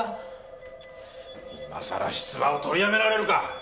今さら出馬を取りやめられるか！